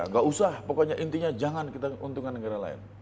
nggak usah pokoknya intinya jangan kita untungkan negara lain